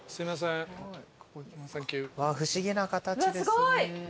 不思議な形ですね。